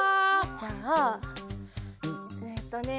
じゃあえっとね。